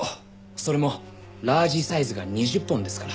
それもラージサイズが２０本ですから。